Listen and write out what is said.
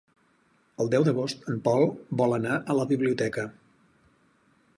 El deu d'agost en Pol vol anar a la biblioteca.